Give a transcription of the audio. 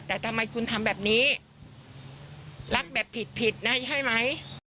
แต่ทำไมคุณทำแบบนี้รักแบบผิดผิดนะใช่ไหม